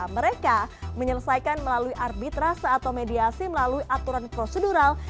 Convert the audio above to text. mereka menyelesaikan melalui arbitrase atau mediasi melalui aturan prosedural